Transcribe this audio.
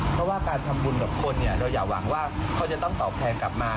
เพราะว่าการทำบุญกับคนเนี่ยเราอย่าหวังว่าเขาจะต้องตอบแทนกลับมา